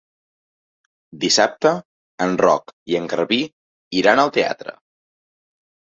Dissabte en Roc i en Garbí iran al teatre.